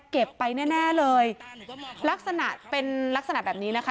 ไปแน่แน่เลยลักษณะเป็นลักษณะแบบนี้นะคะ